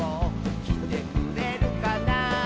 「きてくれるかな」